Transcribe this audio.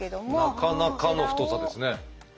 なかなかの太さですね。